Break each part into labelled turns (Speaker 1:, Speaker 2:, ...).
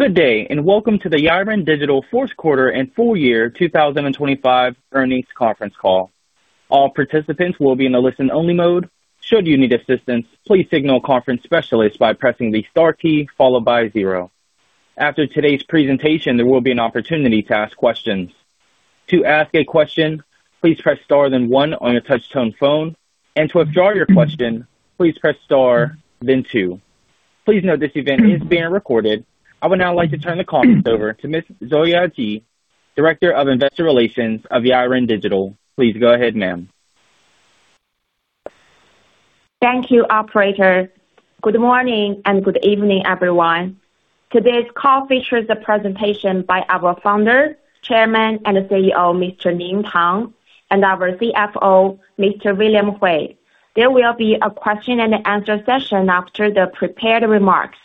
Speaker 1: Good day, and welcome to the Yiren Digital fourth quarter and full year 2025 earnings conference call. All participants will be in a listen-only mode. Should you need assistance, please signal a conference specialist by pressing the star key followed by zero. After today's presentation, there will be an opportunity to ask questions. To ask a question, please press star then one on a touch-tone phone. To withdraw your question, please press star then two. Please note this event is being recorded. I would now like to turn the conference over to Miss Keyao He, Director of Investor Relations of Yiren Digital. Please go ahead, ma'am.
Speaker 2: Thank you, operator. Good morning and good evening, everyone. Today's call features a presentation by our Founder, Chairman, and CEO, Mr. Ning Tang, and our CFO, Mr. William Hui. There will be a question and answer session after the prepared remarks.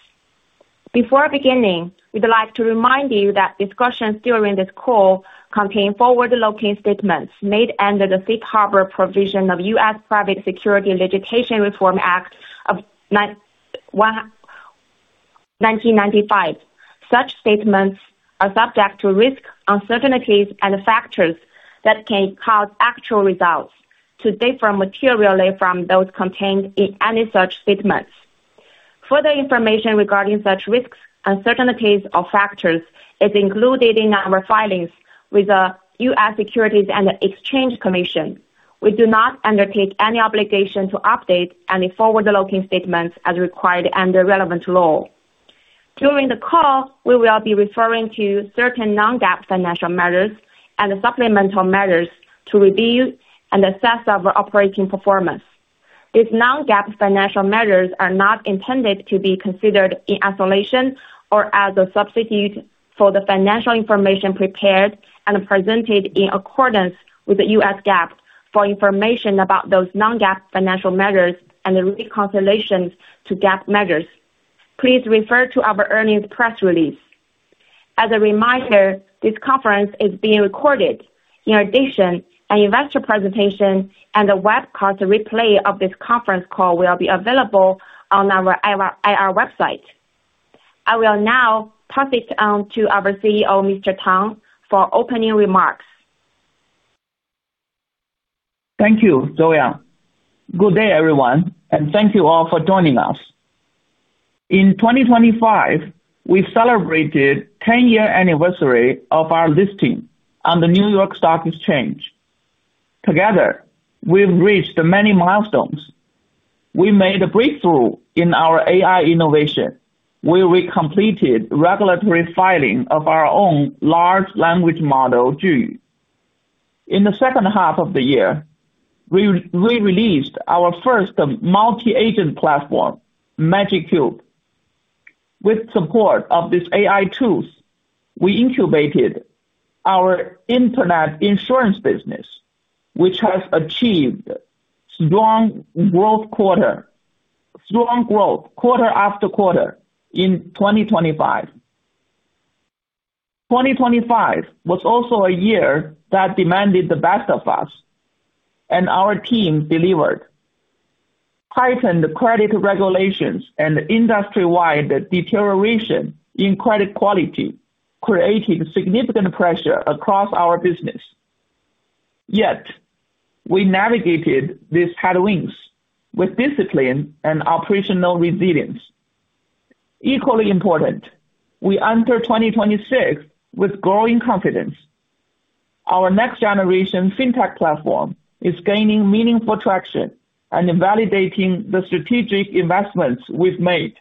Speaker 2: Before beginning, we'd like to remind you that discussions during this call contain forward-looking statements made under the Safe Harbor provision of the U.S. Private Securities Litigation Reform Act of 1995. Such statements are subject to risks, uncertainties, and factors that can cause actual results to differ materially from those contained in any such statements. Further information regarding such risks, uncertainties or factors is included in our filings with the U.S. Securities and Exchange Commission. We do not undertake any obligation to update any forward-looking statements as required under relevant law. During the call, we will be referring to certain non-GAAP financial measures and supplemental measures to review and assess our operating performance. These non-GAAP financial measures are not intended to be considered in isolation or as a substitute for the financial information prepared and presented in accordance with the U.S. GAAP. For information about those non-GAAP financial measures and the reconciliations to GAAP measures, please refer to our earnings press release. As a reminder, this conference is being recorded. In addition, an investor presentation and a webcast replay of this conference call will be available on our IR website. I will now pass it on to our CEO, Mr. Tang, for opening remarks.
Speaker 3: Thank you, Keyao. Good day, everyone, and thank you all for joining us. In 2025, we celebrated 10-year anniversary of our listing on the New York Stock Exchange. Together, we've reached many milestones. We made a breakthrough in our AI innovation, where we completed regulatory filing of our own large language model, Zhiyu. In the second half of the year, we released our first multi-agent platform, Magic Cube. With support of these AI tools, we incubated our internet insurance business, which has achieved strong growth quarter after quarter in 2025. 2025 was also a year that demanded the best of us, and our team delivered. Heightened credit regulations and industry-wide deterioration in credit quality created significant pressure across our business. Yet we navigated these headwinds with discipline and operational resilience. Equally important, we enter 2026 with growing confidence. Our next generation fintech platform is gaining meaningful traction and validating the strategic investments we've made.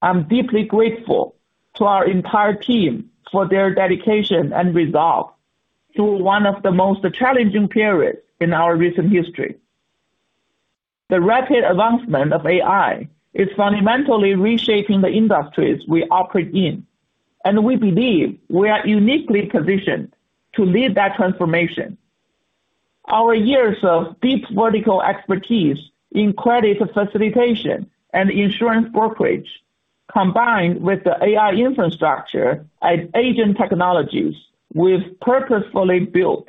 Speaker 3: I'm deeply grateful to our entire team for their dedication and resolve through one of the most challenging periods in our recent history. The rapid advancement of AI is fundamentally reshaping the industries we operate in, and we believe we are uniquely positioned to lead that transformation. Our years of deep vertical expertise in credit facilitation and insurance brokerage, combined with the AI infrastructure and agent technologies we've purposefully built,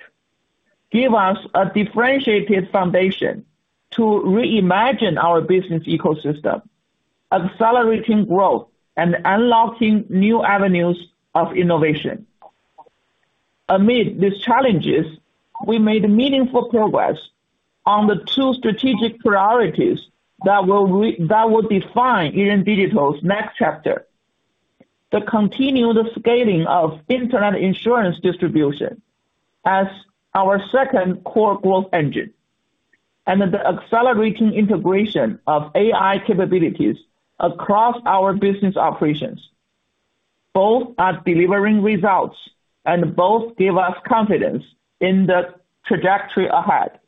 Speaker 3: give us a differentiated foundation to reimagine our business ecosystem, accelerating growth and unlocking new avenues of innovation. Amid these challenges, we made meaningful progress on the two strategic priorities that will define Yiren Digital's next chapter. The continued scaling of internet insurance distribution as our second core growth engine, and the accelerating integration of AI capabilities across our business operations. Both are delivering results and both give us confidence in the trajectory ahead.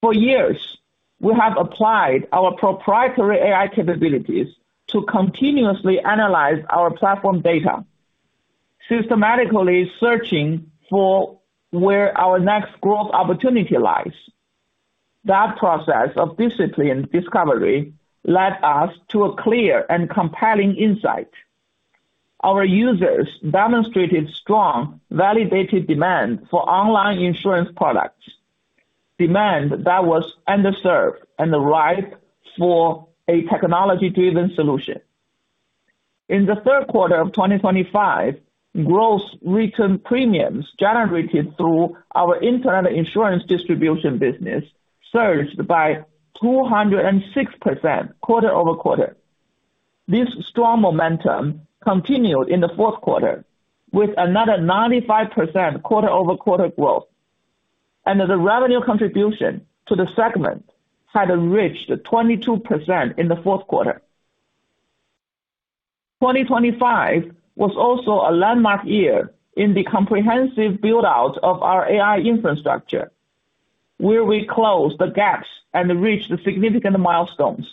Speaker 3: For years, we have applied our proprietary AI capabilities to continuously analyze our platform data, systematically searching for where our next growth opportunity lies. That process of discipline discovery led us to a clear and compelling insight. Our users demonstrated strong validated demand for online insurance products, demand that was underserved and ripe for a technology-driven solution. In the third quarter of 2025, gross written premiums generated through our internet insurance distribution business surged by 206% quarter-over-quarter. This strong momentum continued in the fourth quarter with another 95% quarter-over-quarter growth, and the revenue contribution to the segment had reached 22% in the fourth quarter. 2025 was also a landmark year in the comprehensive build-out of our AI infrastructure, where we closed the gaps and reached significant milestones.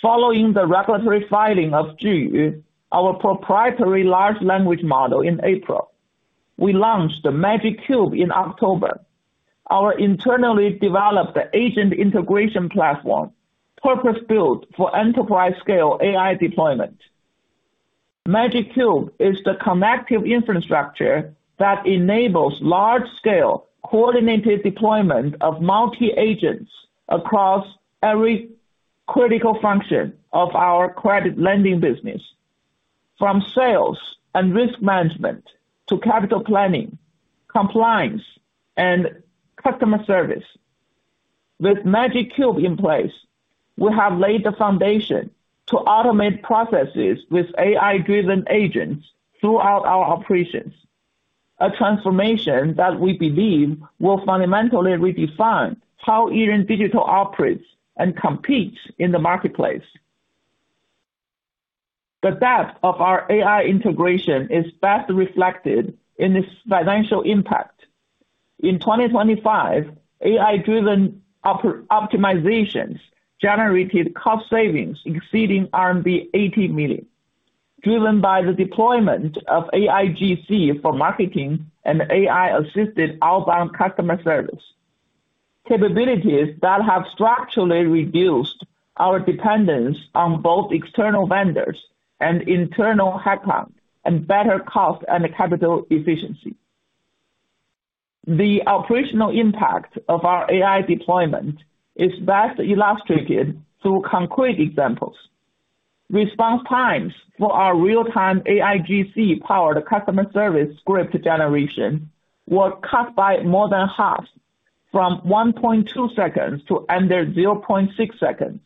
Speaker 3: Following the regulatory filing of Zhiyu, our proprietary large language model in April, we launched the Magic Cube in October, our internally developed agent integration platform, purpose-built for enterprise scale AI deployment. Magic Cube is the connective infrastructure that enables large scale coordinated deployment of multi agents across every critical function of our credit lending business, from sales and risk management to capital planning, compliance and customer service. With Magic Cube in place, we have laid the foundation to automate processes with AI-driven agents throughout our operations. A transformation that we believe will fundamentally redefine how Yiren Digital operates and competes in the marketplace. The depth of our AI integration is best reflected in its financial impact. In 2025, AI-driven optimizations generated cost savings exceeding RMB 80 million, driven by the deployment of AIGC for marketing and AI-assisted outbound customer service. Capabilities that have structurally reduced our dependence on both external vendors and internal headcount and better cost and capital efficiency. The operational impact of our AI deployment is best illustrated through concrete examples. Response times for our real-time AIGC powered customer service script generation were cut by more than half from 1.2 seconds to under 0.6 seconds,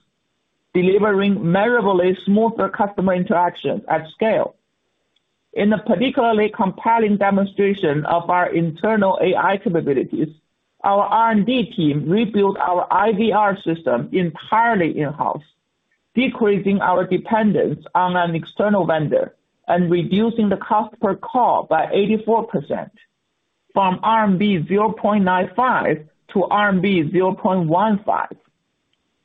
Speaker 3: delivering measurably smoother customer interactions at scale. In a particularly compelling demonstration of our internal AI capabilities, our R&D team rebuilt our IVR system entirely in-house, decreasing our dependence on an external vendor and reducing the cost per call by 84% from RMB 0.95 to RMB 0.15.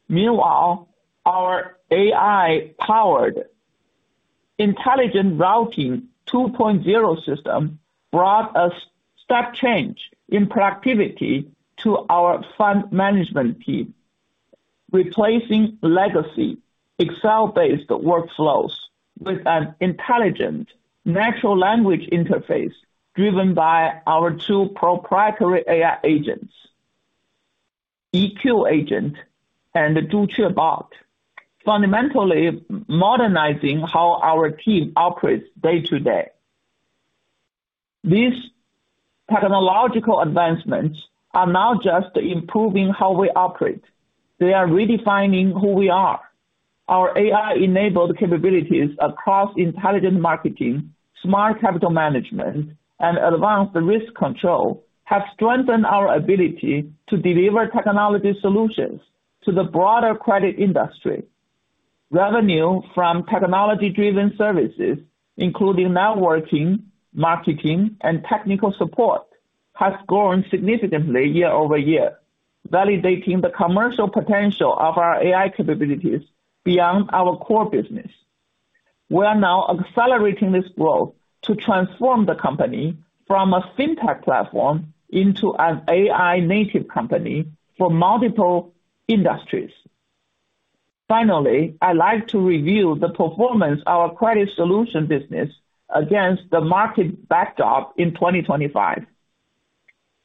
Speaker 3: Meanwhile, our AI-powered intelligent routing 2.0 system brought a step change in productivity to our fund management team, replacing legacy Excel-based workflows with an intelligent natural language interface driven by our two proprietary AI agents, EQ Agent and DuJie Bot, fundamentally modernizing how our team operates day-to-day. These technological advancements are not just improving how we operate. They are redefining who we are. Our AI-enabled capabilities across intelligent marketing, smart capital management, and advanced risk control have strengthened our ability to deliver technology solutions to the broader credit industry. Revenue from technology-driven services, including networking, marketing, and technical support, has grown significantly year-over-year, validating the commercial potential of our AI capabilities beyond our core business. We are now accelerating this growth to transform the company from a fintech platform into an AI-native company for multiple industries. Finally, I'd like to review the performance of our credit solution business against the market backdrop in 2025.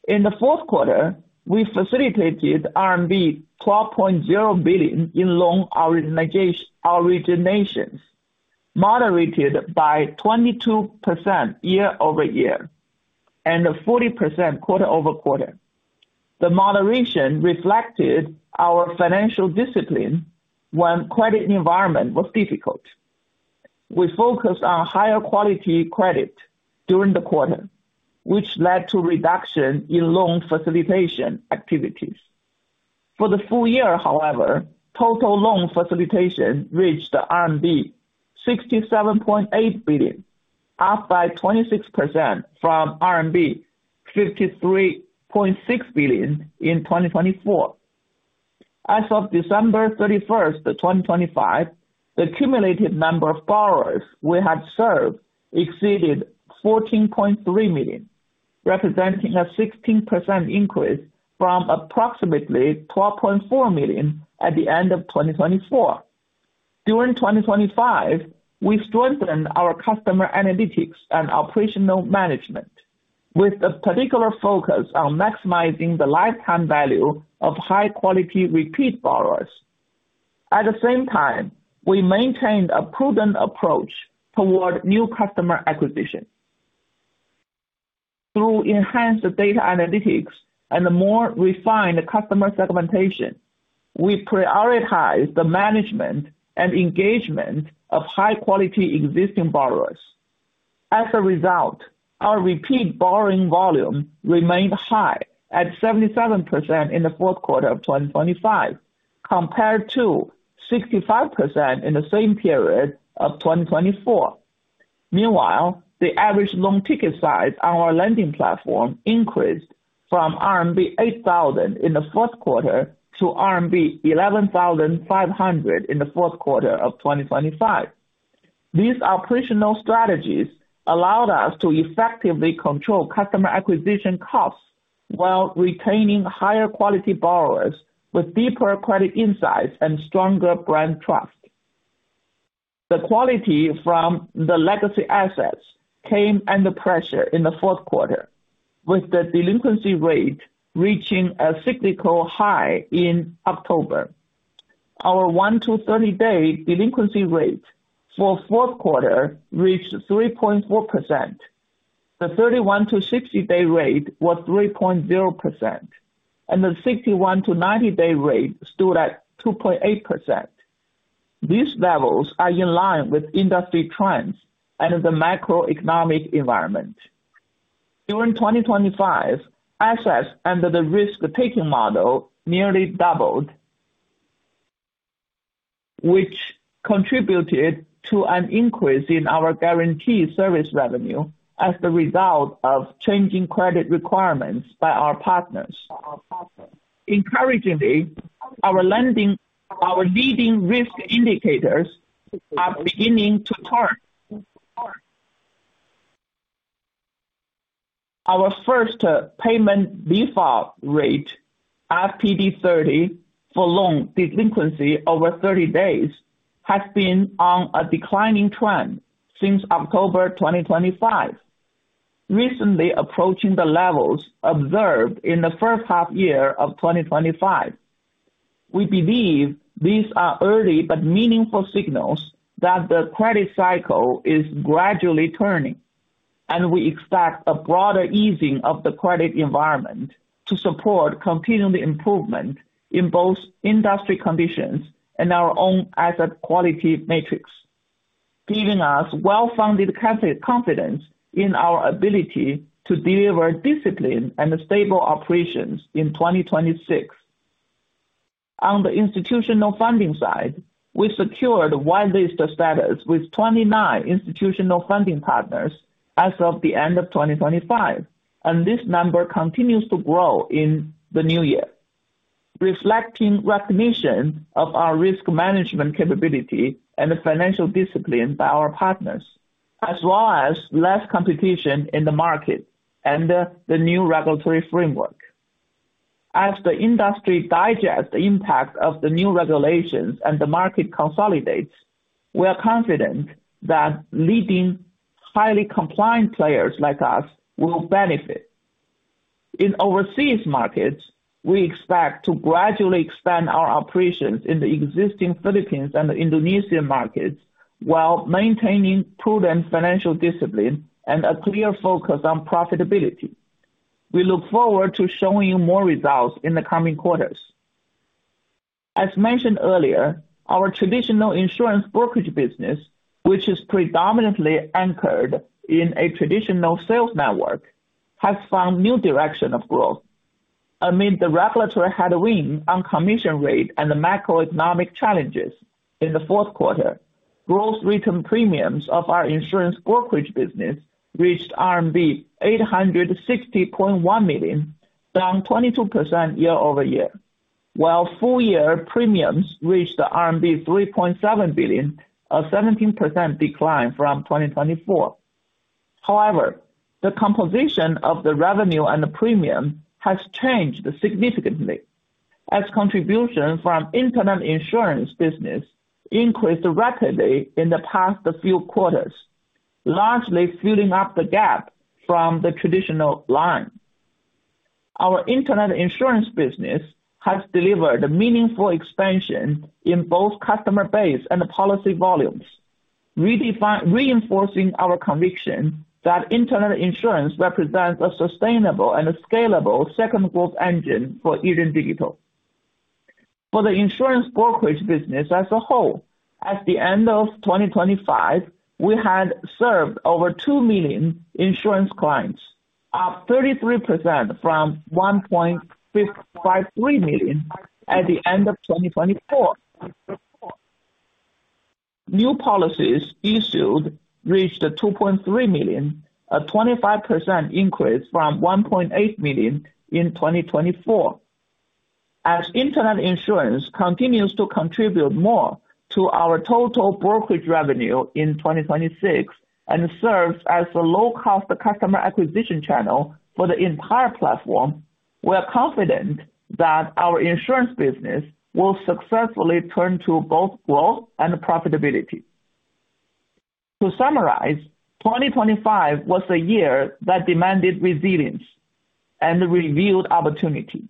Speaker 3: In the fourth quarter, we facilitated RMB 12.0 billion in loan originations, moderated by 22% year-over-year, and 40% quarter-over-quarter. The moderation reflected our financial discipline when credit environment was difficult. We focused on higher quality credit during the quarter, which led to reduction in loan facilitation activities. For the full year, however, total loan facilitation reached RMB 67.8 billion, up by 26% from RMB 53.6 billion in 2024. As of December 31, 2025, the cumulative number of borrowers we had served exceeded 14.3 million. Representing a 16% increase from approximately 12.4 million at the end of 2024. During 2025, we strengthened our customer analytics and operational management with a particular focus on maximizing the lifetime value of high-quality repeat borrowers. At the same time, we maintained a prudent approach toward new customer acquisition. Through enhanced data analytics and the more refined customer segmentation, we prioritize the management and engagement of high-quality existing borrowers. As a result, our repeat borrowing volume remained high at 77% in the fourth quarter of 2025, compared to 65% in the same period of 2024. Meanwhile, the average loan ticket size on our lending platform increased from RMB 8,000 in the first quarter to RMB 11,500 in the fourth quarter of 2025. These operational strategies allowed us to effectively control customer acquisition costs while retaining higher quality borrowers with deeper credit insights and stronger brand trust. The quality from the legacy assets came under pressure in the fourth quarter, with the delinquency rate reaching a cyclical high in October. Our 1- to 30-day delinquency rate for fourth quarter reached 3.4%. The 31- to 60-day rate was 3.0%, and the 61- to 90-day rate stood at 2.8%. These levels are in line with industry trends and the macroeconomic environment. During 2025, assets under the risk-taking model nearly doubled, which contributed to an increase in our guarantee service revenue as the result of changing credit requirements by our partners. Encouragingly, our leading risk indicators are beginning to turn. Our first payment default rate, FPD 30 for loan delinquency over thirty days, has been on a declining trend since October 2025. Recently approaching the levels observed in the first half year of 2025. We believe these are early but meaningful signals that the credit cycle is gradually turning, and we expect a broader easing of the credit environment to support continual improvement in both industry conditions and our own asset quality metrics, giving us well-founded confidence in our ability to deliver discipline and stable operations in 2026. On the institutional funding side, we secured whitelist status with 29 institutional funding partners as of the end of 2025, and this number continues to grow in the new year, reflecting recognition of our risk management capability and the financial discipline by our partners, as well as less competition in the market under the new regulatory framework. As the industry digests the impact of the new regulations and the market consolidates, we are confident that leading highly compliant players like us will benefit. In overseas markets, we expect to gradually expand our operations in the existing Philippines and the Indonesian markets while maintaining prudent financial discipline and a clear focus on profitability. We look forward to showing you more results in the coming quarters. As mentioned earlier, our traditional insurance brokerage business, which is predominantly anchored in a traditional sales network, has found new direction of growth. Amid the regulatory headwind on commission rate and the macroeconomic challenges in the fourth quarter, gross written premiums of our insurance brokerage business reached RMB 860.1 million, down 22% year-over-year, while full-year premiums reached RMB 3.7 billion, a 17% decline from 2024. However, the composition of the revenue and the premium has changed significantly as contribution from internet insurance business increased rapidly in the past few quarters, largely filling up the gap from the traditional line. Our internet insurance business has delivered a meaningful expansion in both customer base and policy volumes, reinforcing our conviction that internet insurance represents a sustainable and scalable second growth engine for Yiren Digital. For the insurance brokerage business as a whole, at the end of 2025, we had served over 2 million insurance clients, up 33% from 1.53 million at the end of 2024. New policies issued reached 2.3 million, a 25% increase from 1.8 million in 2024. Internet insurance continues to contribute more to our total brokerage revenue in 2026 and serves as a low-cost customer acquisition channel for the entire platform. We are confident that our insurance business will successfully turn to both growth and profitability. To summarize, 2025 was a year that demanded resilience and revealed opportunity.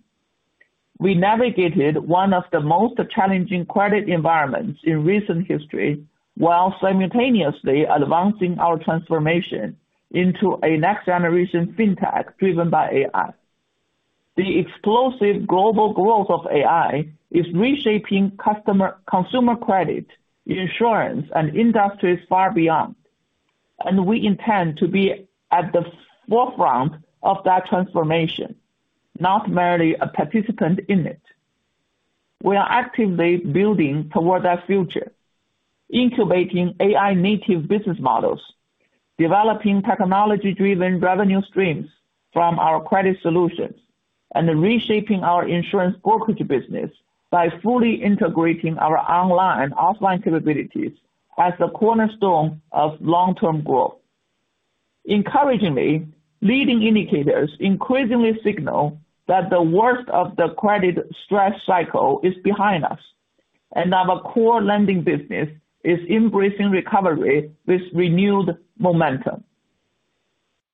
Speaker 3: We navigated one of the most challenging credit environments in recent history while simultaneously advancing our transformation into a next generation FinTech driven by AI. The explosive global growth of AI is reshaping customer, consumer credit, insurance, and industries far beyond, and we intend to be at the forefront of that transformation, not merely a participant in it. We are actively building toward that future, incubating AI native business models, developing technology driven revenue streams from our credit solutions, and reshaping our insurance brokerage business by fully integrating our online and offline capabilities as the cornerstone of long-term growth. Encouragingly, leading indicators increasingly signal that the worst of the credit stress cycle is behind us, and our core lending business is embracing recovery with renewed momentum.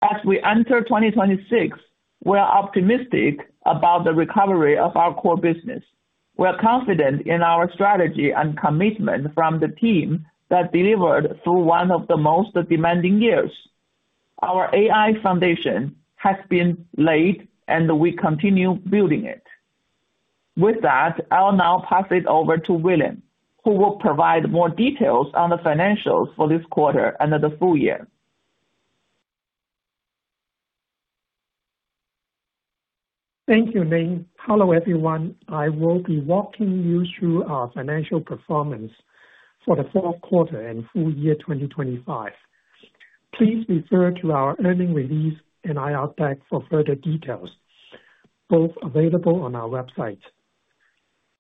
Speaker 3: As we enter 2026, we are optimistic about the recovery of our core business. We are confident in our strategy and commitment from the team that delivered through one of the most demanding years. Our AI foundation has been laid, and we continue building it. With that, I'll now pass it over to William, who will provide more details on the financials for this quarter and the full year.
Speaker 4: Thank you, Ning. Hello, everyone. I will be walking you through our financial performance for the fourth quarter and full year 2025. Please refer to our earnings release and IR deck for further details, both available on our website.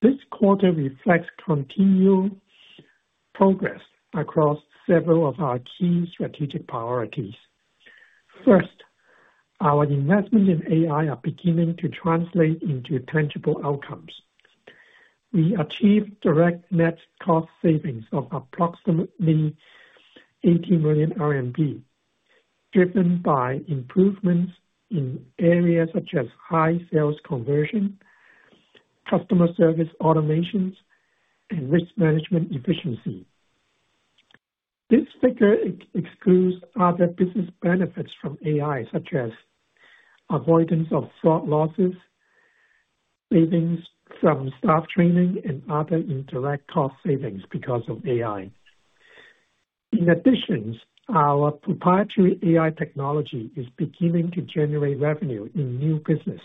Speaker 4: This quarter reflects continued progress across several of our key strategic priorities. First, our investment in AI are beginning to translate into tangible outcomes. We achieved direct net cost savings of approximately 80 million RMB, driven by improvements in areas such as high sales conversion, customer service automations, and risk management efficiency. This figure excludes other business benefits from AI, such as avoidance of fraud losses, savings from staff training, and other indirect cost savings because of AI. In addition, our proprietary AI technology is beginning to generate revenue in new business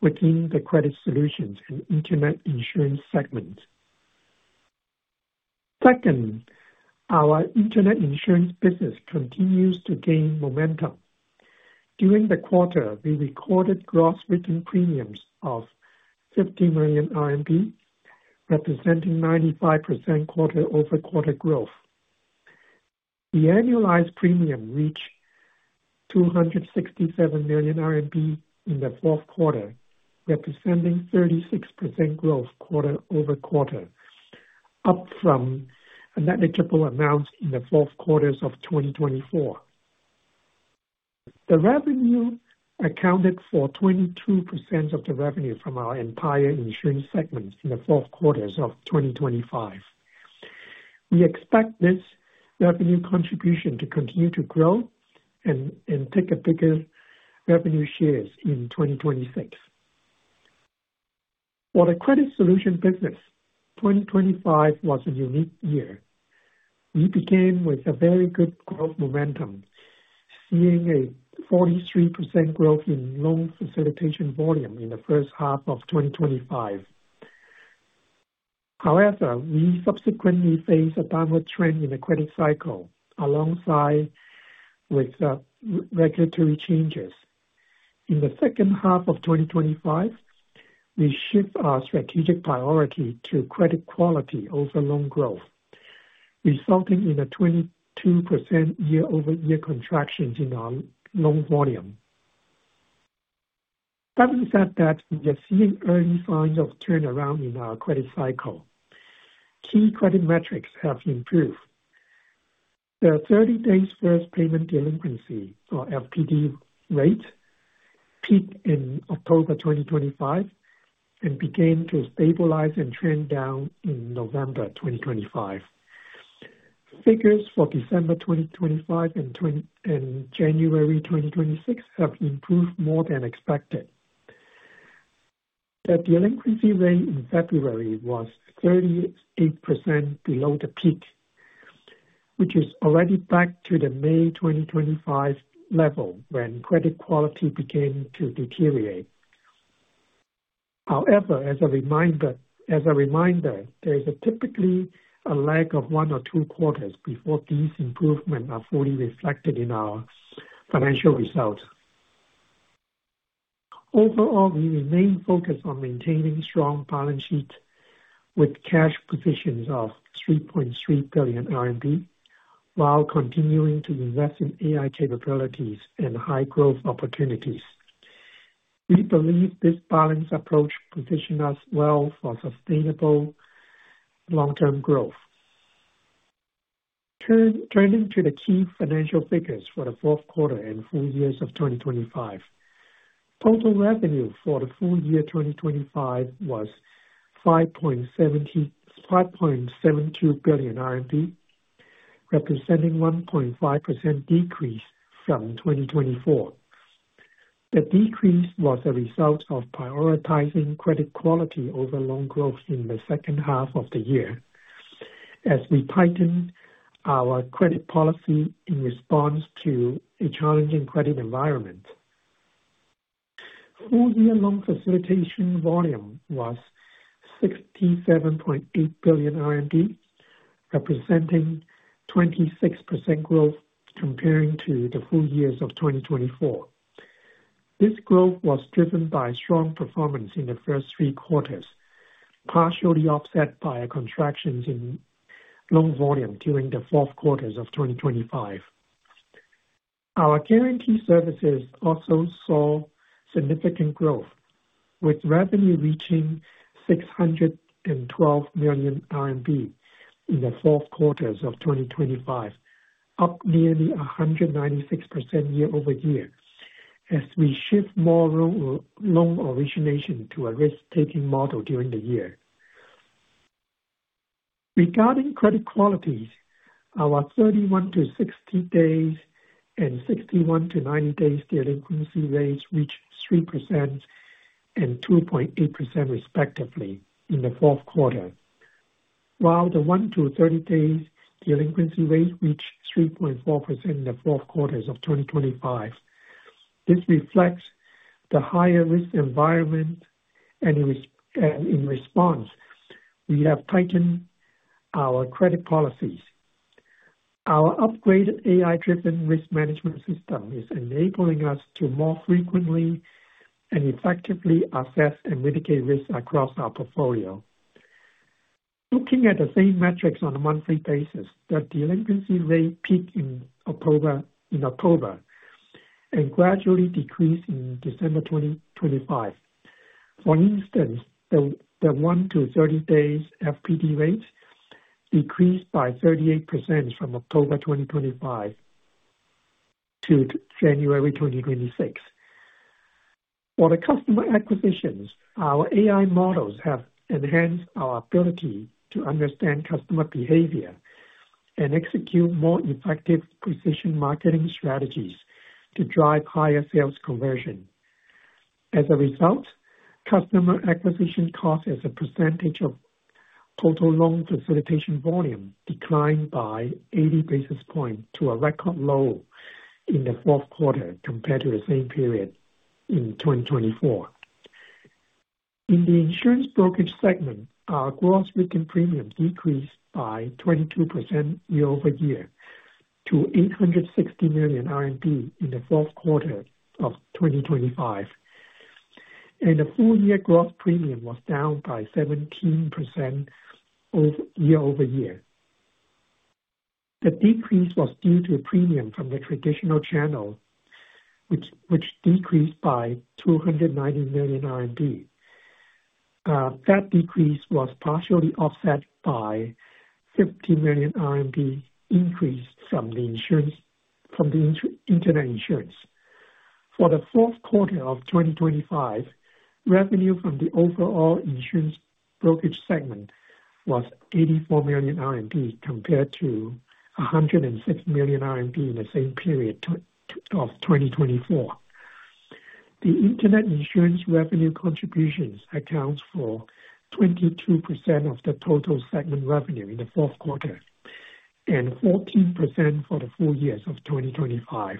Speaker 4: within the credit solutions and internet insurance segment. Second, our internet insurance business continues to gain momentum. During the quarter, we recorded gross written premiums of 50 million RMB, representing 95% quarter-over-quarter growth. The annualized premium reached 267 million RMB in the fourth quarter, representing 36% growth quarter-over-quarter, up from a negligible amount in the fourth quarter of 2024. The revenue accounted for 22% of the revenue from our entire insurance segment in the fourth quarter of 2025. We expect this revenue contribution to continue to grow and take a bigger revenue share in 2026. For the credit solution business, 2025 was a unique year. We began with a very good growth momentum, seeing a 43% growth in loan facilitation volume in the first half of 2025. However, we subsequently faced a downward trend in the credit cycle alongside regulatory changes. In the second half of 2025, we shift our strategic priority to credit quality over loan growth, resulting in a 22% year-over-year contraction in our loan volume. That being said, we are seeing early signs of turnaround in our credit cycle. Key credit metrics have improved. The 30 days first payment delinquency, or FPD rate, peaked in October 2025 and began to stabilize and trend down in November 2025. Figures for December 2025 and January 2026 have improved more than expected. The delinquency rate in February was 38% below the peak, which is already back to the May 2025 level when credit quality began to deteriorate. However, as a reminder, there is typically a lag of one or two quarters before these improvements are fully reflected in our financial results. Overall, we remain focused on maintaining strong balance sheet with cash positions of 3.3 billion RMB, while continuing to invest in AI capabilities and high growth opportunities. We believe this balanced approach positions us well for sustainable long-term growth. Turning to the key financial figures for the fourth quarter and full years of 2025. Total revenue for the full year 2025 was 5.72 billion RMB, representing 1.5% decrease from 2024. The decrease was a result of prioritizing credit quality over loan growth in the second half of the year as we tightened our credit policy in response to a challenging credit environment. Full year loan facilitation volume was 67.8 billion, representing 26% growth compared to the full year of 2024. This growth was driven by strong performance in the first three quarters, partially offset by a contraction in loan volume during the fourth quarter of 2025. Our guarantee services also saw significant growth, with revenue reaching 612 million RMB in the fourth quarter of 2025, up nearly 196% year-over-year. As we shift more loan origination to a risk-taking model during the year. Regarding credit quality, our 31-60 days and 61-90 days delinquency rates reached 3% and 2.8% respectively in the fourth quarter. While the 1-30 days delinquency rate reached 3.4% in the fourth quarter of 2025. This reflects the higher risk environment and in response, we have tightened our credit policies. Our upgraded AI-driven risk management system is enabling us to more frequently and effectively assess and mitigate risks across our portfolio. Looking at the same metrics on a monthly basis, the delinquency rate peaked in October and gradually decreased in December 2025. For instance, the 1-30 days FPD rates decreased by 38% from October 2025 to January 2026. For the customer acquisitions, our AI models have enhanced our ability to understand customer behavior and execute more effective precision marketing strategies to drive higher sales conversion. As a result, customer acquisition cost as a percentage of total loan facilitation volume declined by 80 basis points to a record low in the fourth quarter compared to the same period in 2024. In the insurance brokerage segment, our gross written premium decreased by 22% year-over-year to 860 million RMB in the fourth quarter of 2025. The full year gross premium was down by 17% year-over-year. The decrease was due to a premium from the traditional channel, which decreased by 290 million RMB. That decrease was partially offset by 50 million RMB increase from the internet insurance. For the fourth quarter of 2025, revenue from the overall insurance brokerage segment was 84 million RMB compared to 106 million RMB in the same period of 2024. The internet insurance revenue contributions accounts for 22% of the total segment revenue in the fourth quarter and 14% for the full years of 2025.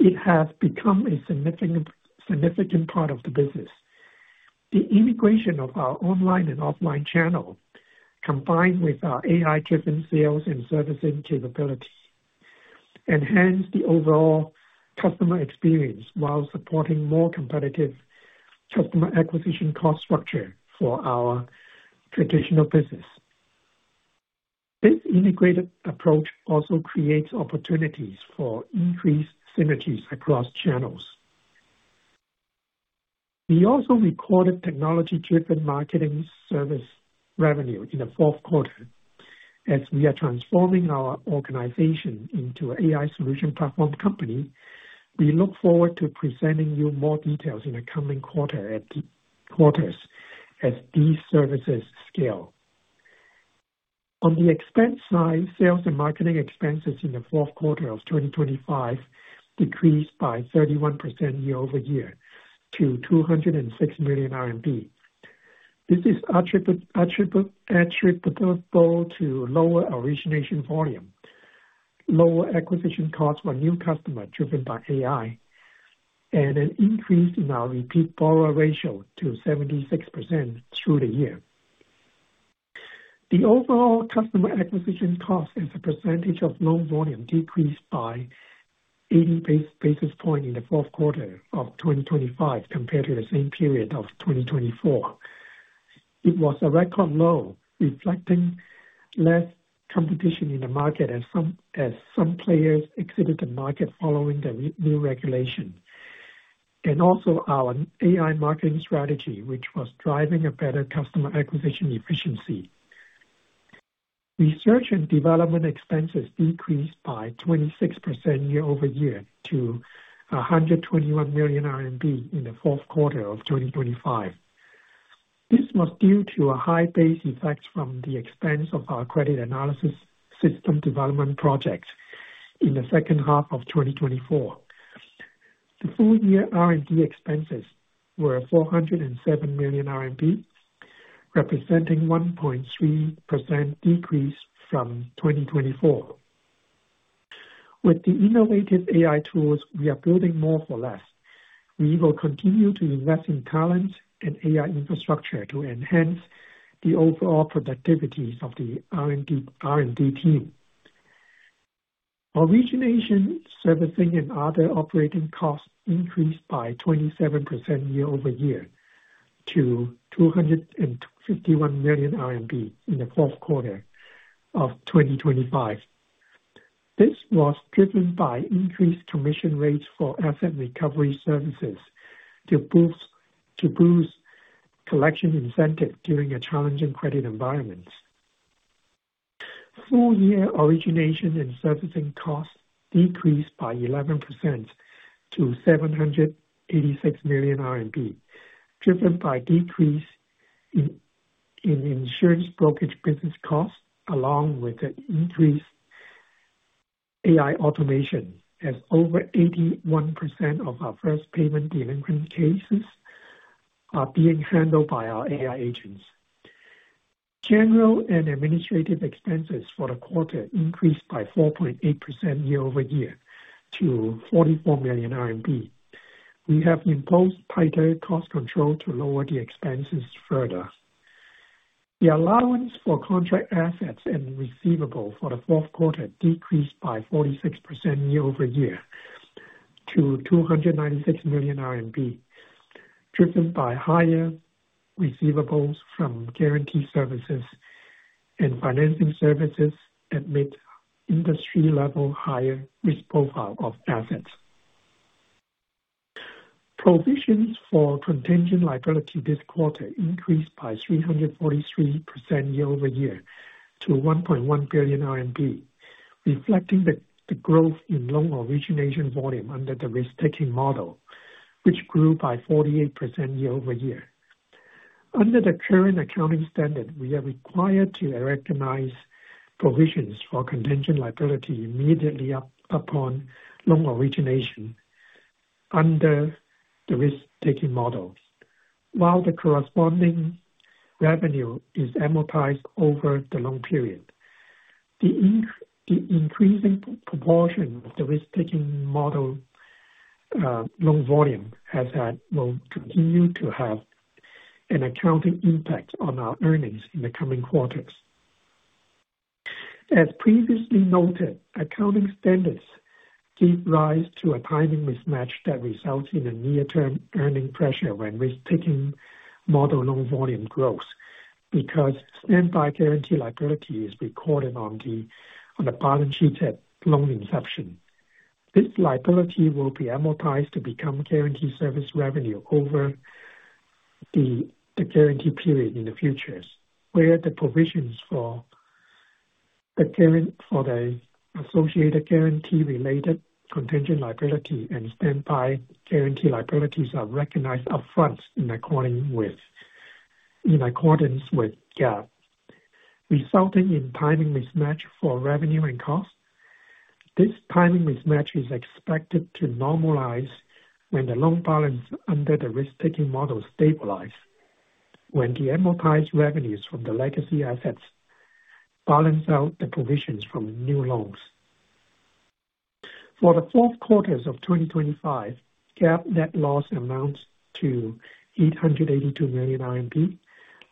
Speaker 4: It has become a significant part of the business. The integration of our online and offline channel, combined with our AI-driven sales and servicing capabilities, enhance the overall customer experience while supporting more competitive customer acquisition cost structure for our traditional business. This integrated approach also creates opportunities for increased synergies across channels. We also recorded technology-driven marketing service revenue in the fourth quarter. As we are transforming our organization into AI solution platform company, we look forward to presenting you more details in the coming quarters as these services scale. On the expense side, sales and marketing expenses in the fourth quarter of 2025 decreased by 31% year-over-year to 206 million RMB. This is attributable to lower origination volume, lower acquisition costs for new customer driven by AI, and an increase in our repeat borrower ratio to 76% through the year. The overall customer acquisition cost as a percentage of loan volume decreased by 80 basis points in the fourth quarter of 2025 compared to the same period of 2024. It was a record low, reflecting less competition in the market as some players exited the market following the new regulation, and also our AI marketing strategy, which was driving a better customer acquisition efficiency. Research and development expenses decreased by 26% year-over-year to 121 million RMB in the fourth quarter of 2025. This was due to a high base effect from the expense of our credit analysis system development project in the second half of 2024. The full year expenses were RMB 407 million, representing 1.3% decrease from 2024. With the innovative AI tools, we are building more for less. We will continue to invest in talent and AI infrastructure to enhance the overall productivity of the R&D team. Origination, servicing, and other operating costs increased by 27% year-over-year to 251 million RMB in the fourth quarter of 2025. This was driven by increased commission rates for asset recovery services to boost collection incentive during a challenging credit environment. Full year origination and servicing costs decreased by 11% to 786 million RMB, driven by decrease in insurance brokerage business costs, along with an increased AI automation as over 81% of our first payment default cases are being handled by our AI agents. General and administrative expenses for the quarter increased by 4.8% year-over-year to 44 million RMB. We have imposed tighter cost control to lower the expenses further. The allowance for contract assets and receivable for the fourth quarter decreased by 46% year-over-year to RMB 296 million, driven by higher receivables from guarantee services and financing services amid industry level higher risk profile of assets. Provisions for contingent liability this quarter increased by 343% year-over-year to 1.1 billion RMB, reflecting the growth in loan origination volume under the risk-taking model, which grew by 48% year-over-year. Under the current accounting standard, we are required to recognize provisions for contingent liability immediately upon loan origination under the risk-taking models, while the corresponding revenue is amortized over the loan period. The increasing proportion of the risk-taking model loan volume has had, will continue to have an accounting impact on our earnings in the coming quarters. As previously noted, accounting standards give rise to a timing mismatch that results in a near-term earning pressure when risk-taking model loan volume grows because standby guarantee liability is recorded on the balance sheet at loan inception. This liability will be amortized to become guarantee service revenue over the guarantee period in the future, where the provisions for the associated guarantee related contingent liability and standby guarantee liabilities are recognized upfront in accordance with GAAP, resulting in timing mismatch for revenue and cost. This timing mismatch is expected to normalize when the loan balance under the risk-taking model stabilize, when the amortized revenues from the legacy assets balance out the provisions from new loans. For the fourth quarter of 2025, GAAP net loss amounts to 882 million RMB,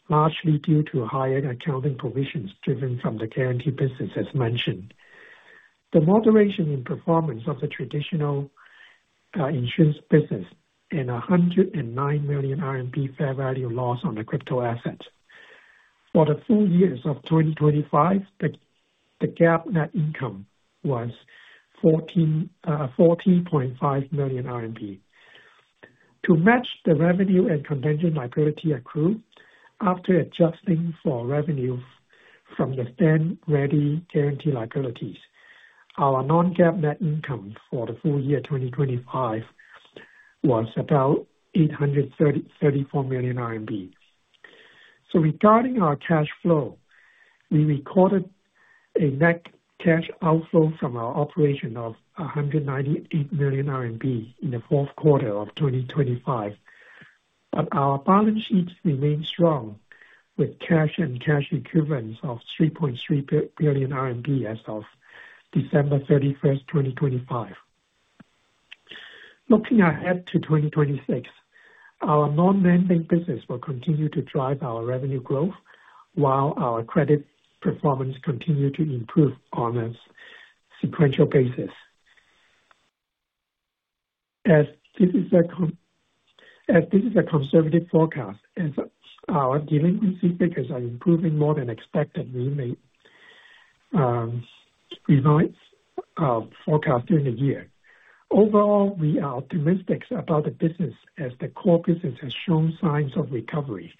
Speaker 4: largely due to higher accounting provisions driven from the guarantee business as mentioned. The moderation in performance of the traditional insurance business and 109 million RMB fair value loss on the crypto assets. For the full year of 2025, the GAAP net income was 144.5 million RMB. To match the revenue and contingent liability accrue after adjusting for revenue from the stand-ready guarantee liabilities, our non-GAAP net income for the full year 2025 was about 834 million RMB. Regarding our cash flow, we recorded a net cash outflow from our operation of 198 million RMB in the fourth quarter of 2025, but our balance sheets remain strong with cash and cash equivalents of 3.3 billion RMB as of December 31, 2025. Looking ahead to 2026, our non-lending business will continue to drive our revenue growth while our credit performance continue to improve on a sequential basis. As this is a conservative forecast, as our delinquency figures are improving more than expected, we may revise our forecast during the year. Overall, we are optimistic about the business as the core business has shown signs of recovery.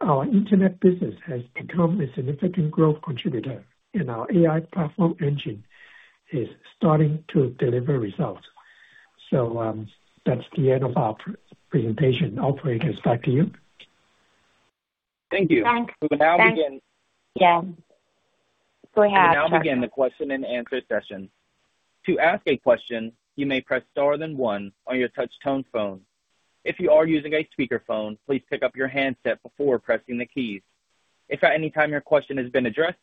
Speaker 4: Our internet business has become a significant growth contributor, and our AI platform engine is starting to deliver results. That's the end of our presentation. Operator, it's back to you.
Speaker 1: Thank you. We now begin the question and answer session. To ask a question, you may press star then one on your touch tone phone. If you are using a speaker phone, please pick up your handset before pressing the keys. If at any time your question has been addressed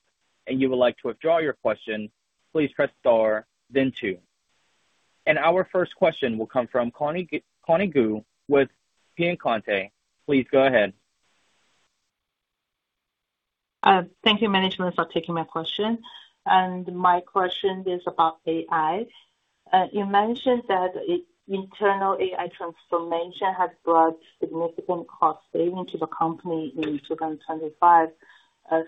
Speaker 1: and you would like to withdraw your question, please press star then two. Our first question will come from Connie Gu with Piacente. Please go ahead.
Speaker 5: Thank you, management, for taking my question. My question is about AI. You mentioned that internal AI transformation has brought significant cost savings to the company in 2025.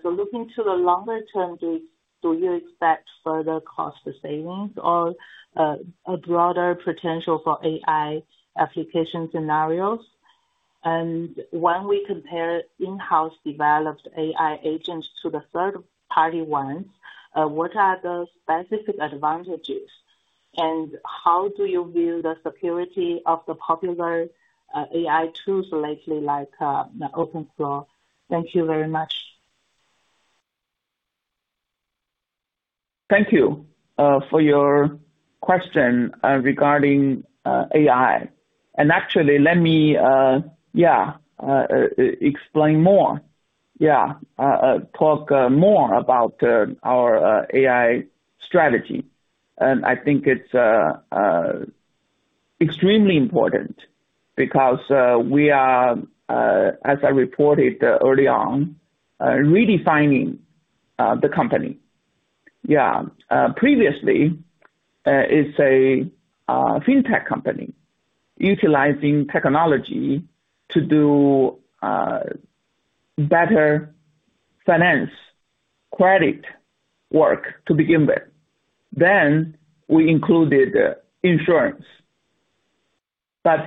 Speaker 5: Looking to the longer term, do you expect further cost savings or a broader potential for AI application scenarios? When we compare in-house developed AI agents to the third-party ones, what are the specific advantages? How do you view the security of the popular AI tools lately, like OpenAI? Thank you very much.
Speaker 4: Thank you for your question regarding AI. Actually, let me yeah explain more. Yeah, talk more about our AI strategy. I think it's extremely important because we are, as I reported early on, redefining the company. Previously, it's a fintech company utilizing technology to do better finance, credit work to begin with. Then we included insurance.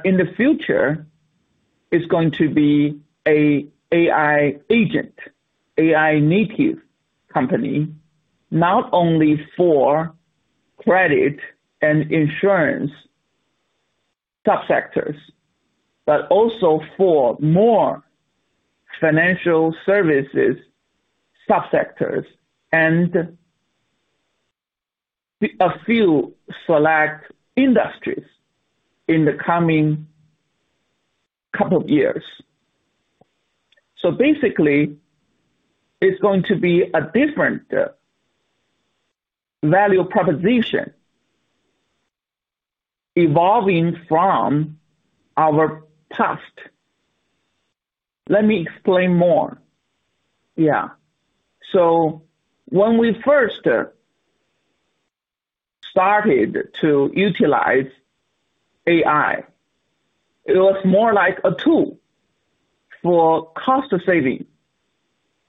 Speaker 4: In the future, it's going to be a AI agent, AI native company, not only for credit and insurance subsectors, but also for more financial services subsectors and a few select industries in the coming couple years. Basically, it's going to be a different value proposition evolving from our past. Let me explain more. When we first started to utilize AI, it was more like a tool for cost saving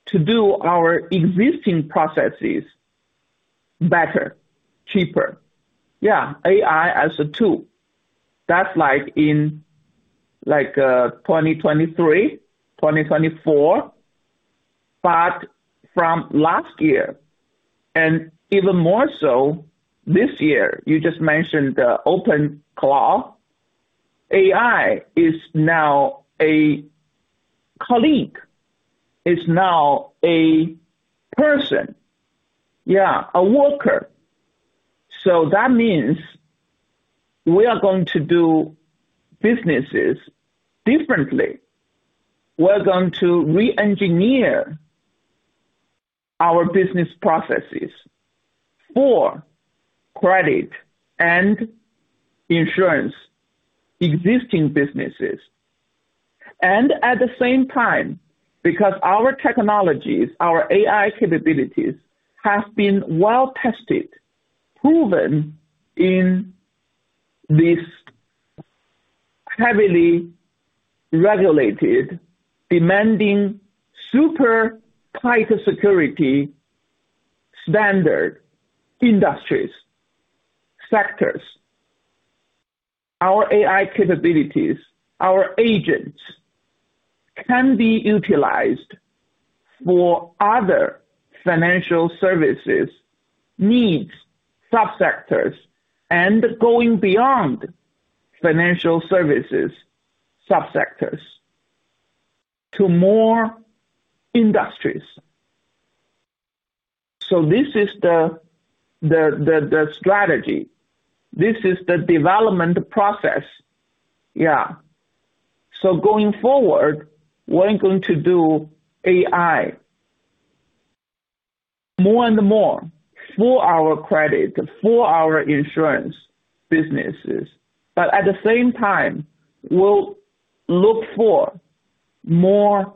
Speaker 4: to do our existing processes better, cheaper. Yeah, AI as a tool. That's like in, like, 2023, 2024. From last year, and even more so this year, you just mentioned the OpenAI, AI is now a colleague. It's now a person. Yeah, a worker. That means we are going to do businesses differently. We're going to re-engineer our business processes for credit and insurance, existing businesses. At the same time, because our technologies, our AI capabilities have been well-tested, proven in these heavily regulated, demanding, super tight security standard industries, sectors. Our AI capabilities, our agents can be utilized for other financial services needs, subsectors, and going beyond financial services subsectors to more industries. This is the strategy. This is the development process. Yeah. Going forward, we're going to do AI
Speaker 3: More and more for our credit, for our insurance businesses. At the same time, we'll look for more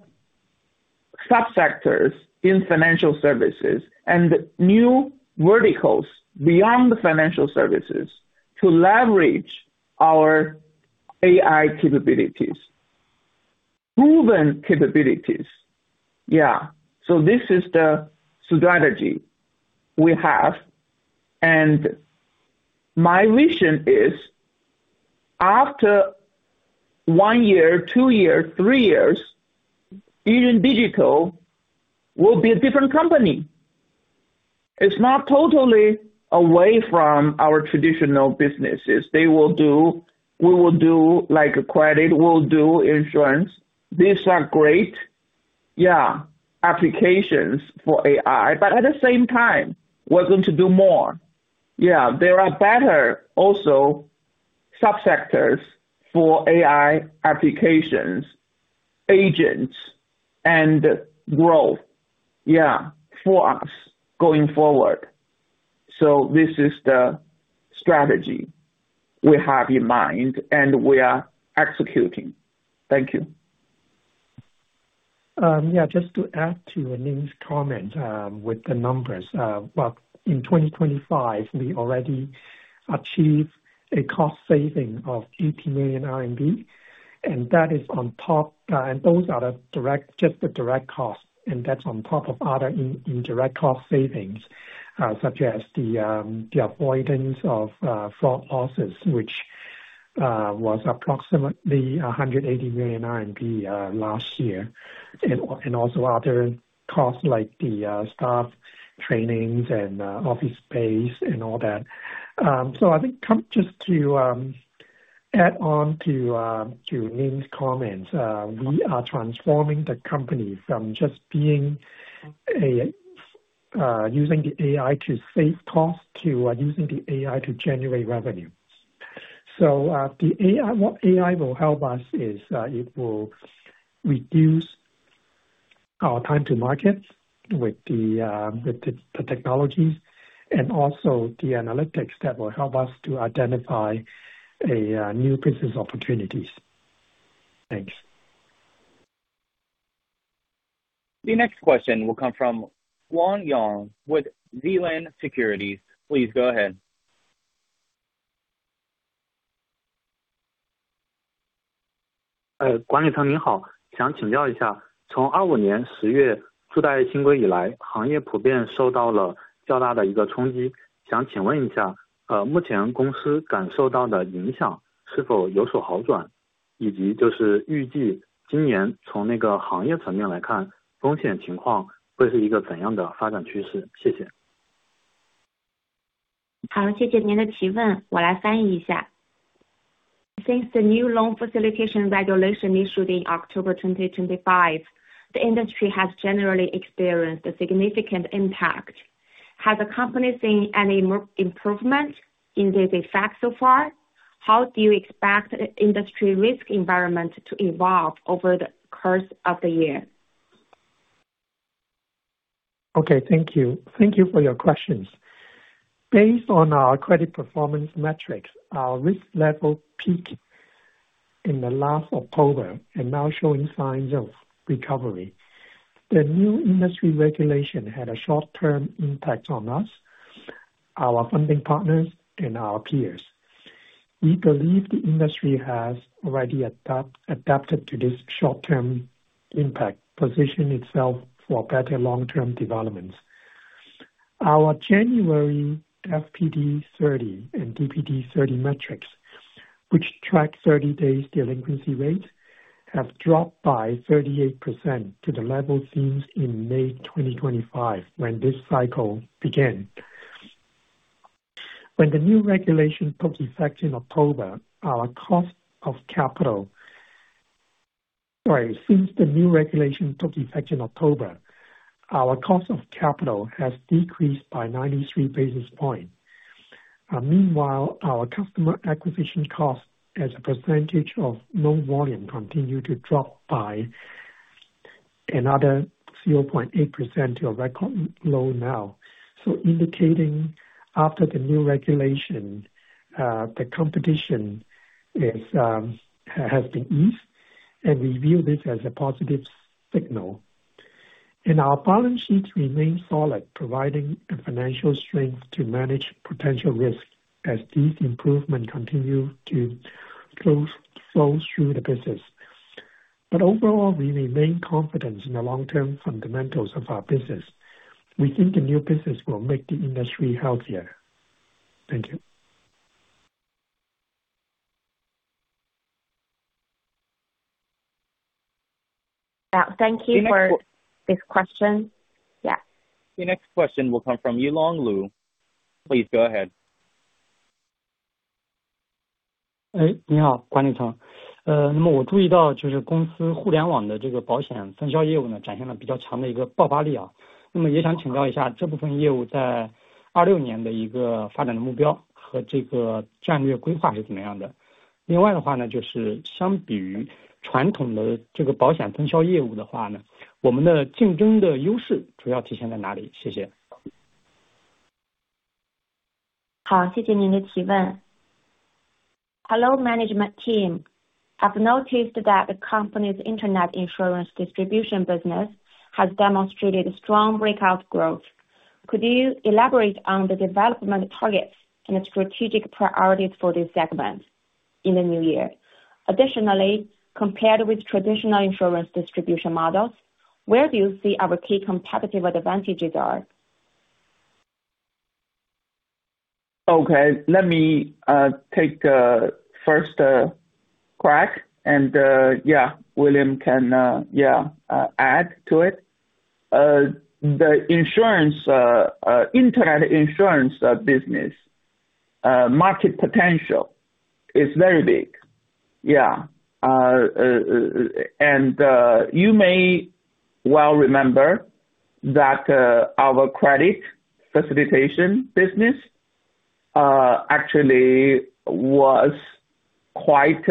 Speaker 3: subsectors in financial services and new verticals beyond the financial services to leverage our AI capabilities. Proven capabilities. Yeah. This is the strategy we have, and my vision is after 1 year, 2 years, 3 years, Yiren Digital will be a different company. It's not totally away from our traditional businesses. We will do like a credit, we'll do insurance. These are great, yeah, applications for AI, but at the same time we're going to do more. Yeah, there are better also subsectors for AI applications, agents and growth, yeah, for us going forward. This is the strategy we have in mind and we are executing. Thank you.
Speaker 4: Yeah. Just to add to Ning's comment with the numbers. Well, in 2025, we already achieved a cost saving of 80 million RMB, and that is on top, and those are just the direct costs. That's on top of other indirect cost savings, such as the avoidance of fraud losses, which was approximately 180 million RMB last year. Also other costs like the staff trainings and office space and all that. I think just to add on to Ning's comments. We are transforming the company from just using the AI to save costs to using the AI to generate revenue. What AI will help us is, it will reduce our time to market with the technologies and also the analytics that will help us to identify a new business opportunities. Thanks.
Speaker 1: The next question will come from Huang Yong with Zheshang Securities. Please go ahead.
Speaker 6: Since the new loan facilitation regulation issued in October 2025, the industry has generally experienced a significant impact. Has the company seen any improvement in this effect so far? How do you expect industry risk environment to evolve over the course of the year?
Speaker 4: Okay. Thank you. Thank you for your questions. Based on our credit performance metrics, our risk level peaked in the last October and now showing signs of recovery. The new industry regulation had a short term impact on us, our funding partners and our peers. We believe the industry has already adapted to this short term impact, position itself for better long term developments. Our January FPD 30 and DPD 30 metrics, which track 30 days delinquency rates, have dropped by 38% to the level seen in May 2025 when this cycle began. Since the new regulation took effect in October, our cost of capital has decreased by 93 basis points. Meanwhile, our customer acquisition cost as a percentage of loan volume continued to drop by another 0.8% to a record low now. Indicating after the new regulation, the competition has been eased and we view this as a positive signal. Our balance sheets remain solid, providing a financial strength to manage potential risk as these improvements continue to flow through the business. Overall, we remain confident in the long term fundamentals of our business. We think the new business will make the industry healthier. Thank you.
Speaker 6: Thank you for this question. Yeah.
Speaker 1: The next question will come from Yulong Lu. Please go ahead.
Speaker 7: Uh, 另外的话呢，就是相比于传统的这个保险分销业务的话呢，我们的竞争的优势主要体现在哪里？谢谢。
Speaker 8: 好，谢谢您的提问。Hello, management team. I've noticed that the company's internet insurance distribution business has demonstrated strong breakout growth. Could you elaborate on the development targets and strategic priorities for this segment in the new year? Additionally, compared with traditional insurance distribution models, where do you see our key competitive advantages are?
Speaker 3: Okay. Let me take a first crack and yeah, William can yeah add to it. The internet insurance business market potential is very big. You may well remember that our credit facilitation business actually was quite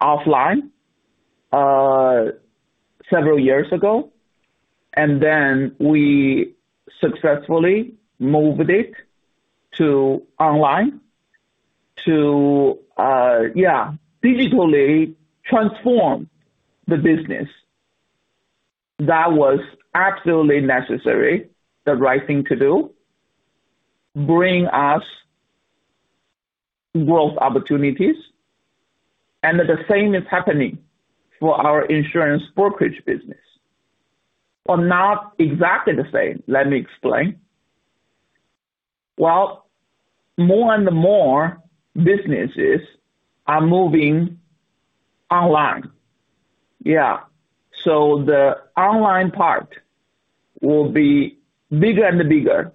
Speaker 3: offline several years ago, and then we successfully moved it to online to digitally transform the business. That was absolutely necessary, the right thing to do, bring us growth opportunities, and the same is happening for our insurance brokerage business. But not exactly the same. Let me explain. Well, more and more businesses are moving online. The online part will be bigger and bigger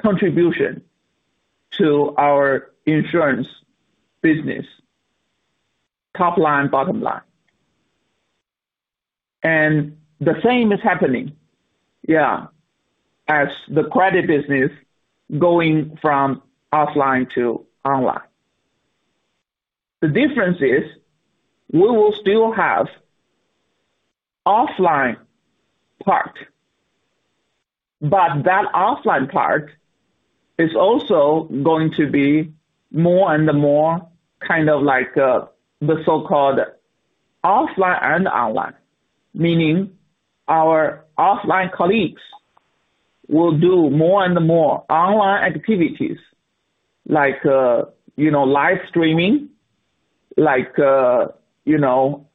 Speaker 3: contribution to our insurance business, top line, bottom line. The same is happening as the credit business going from offline to online. The difference is we will still have offline part, but that offline part is also going to be more and more kind of like the so-called offline and online, meaning our offline colleagues will do more and more online activities like you know, live streaming, like you know,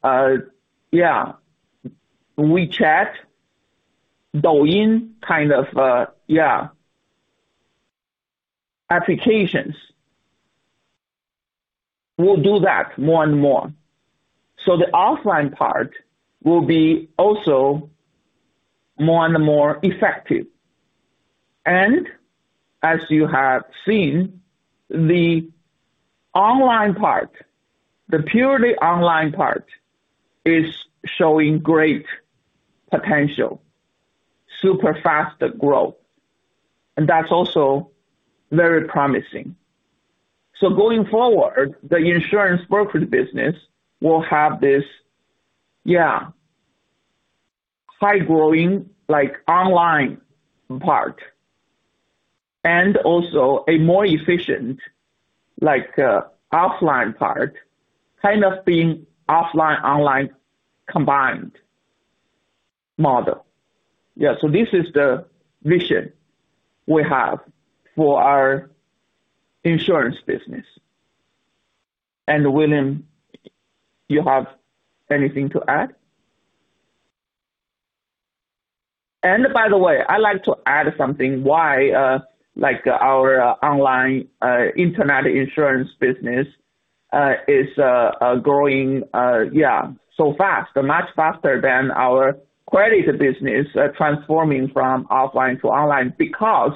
Speaker 3: WeChat, Douyin kind of applications. We'll do that more and more. The offline part will be also more and more effective. As you have seen, the online part, the purely online part, is showing great potential, super faster growth, and that's also very promising. Going forward, the insurance brokerage business will have this, high growing like online part and also a more efficient like, offline part, kind of being offline, online combined model. This is the vision we have for our insurance business. William Hui, you have anything to add? By the way, I'd like to add something. Why, like, our online, internet insurance business, is growing so fast, much faster than our credit business transforming from offline to online, because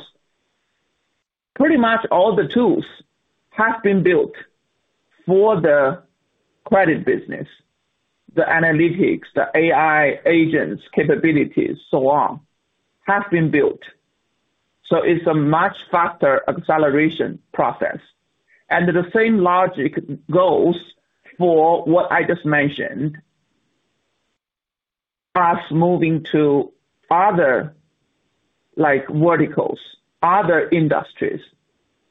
Speaker 3: pretty much all the tools have been built for the credit business. The analytics, the AI agents capabilities, so on, have been built. It's a much faster acceleration process. The same logic goes for what I just mentioned, us moving to other like verticals, other industries,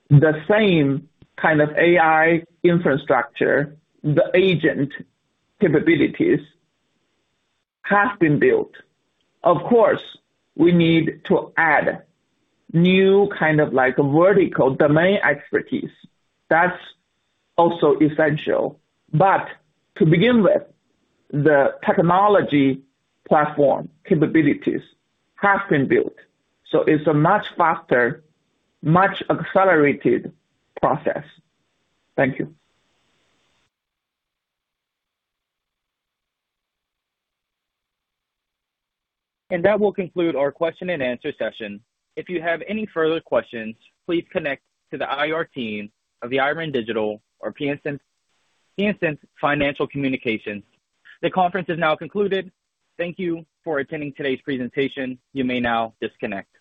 Speaker 3: the same kind of AI infrastructure, the agent capabilities have been built. Of course, we need to add new kind of like vertical domain expertise. That's also essential. To begin with, the technology platform capabilities have been built. It's a much faster, much accelerated process. Thank you.
Speaker 1: That will conclude our question and answer session. If you have any further questions, please connect to the IR team of Yiren Digital or Piacente Financial Communications. The conference is now concluded. Thank you for attending today's presentation. You may now disconnect.